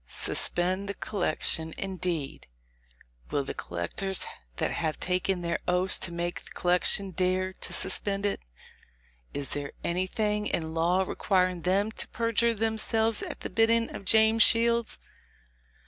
Suspend the collection, indeed ! Will the collectors, that have taken their oaths to make the collection, dare to suspend it? Is there anything in law requiring then to perjure themselves at the bidding of James Shields?